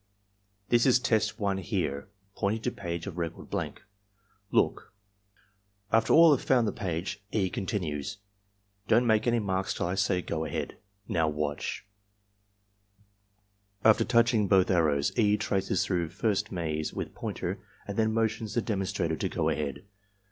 This is Test 1 here (pointing to page of record blank). Look." After all have found the page, E. continues, ''Don't make any marks till I say 'Go ahead.' Now watdiJ^ After touching both arrows, E. traces through first maze with pointer and then motions the demon strator to go ahead.